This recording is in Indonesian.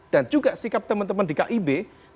dan juga sikap teman teman di kib